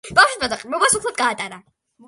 ბავშვობა და ყრმობა სოფლად გაატარა.